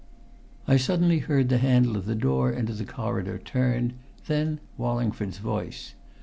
"I suddenly heard the handle of the door into the corridor turned, then Wallingford's voice.